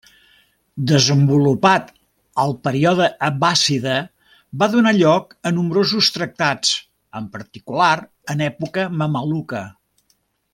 Desenvolupat al període abbàssida, va donar lloc a nombrosos tractats, en particular en època mameluca.